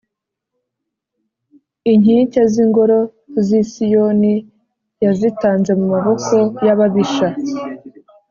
Inkike z’ingoro z’i Siyoni yazitanze mu maboko y’ababisha.